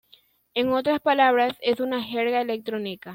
En otras palabras, es una jerga electrónica.